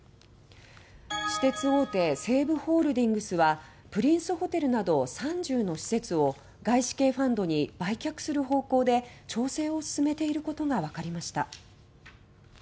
私鉄大手西武ホールディングスはプリンスホテルなど３０施設を外資系ファンドに売却する方向で調整を進めていることがわかりました。